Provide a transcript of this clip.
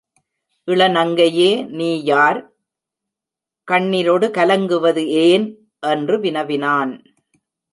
இள நங்கையே நீ யார்? கண்ணிரோடு கலங்குவது ஏன்? என்று வினவினான்.